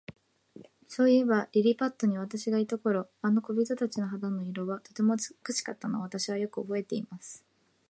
そういえば、リリパットに私がいた頃、あの小人たちの肌の色は、とても美しかったのを、私はよくおぼえています。